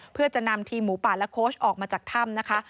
เพื่อจะนำทีมหมูป่าและโค้ชออกมาจากถ้ำนะคะ